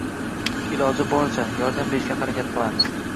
Iloji boricha, yordam berishga harakat qilamiz.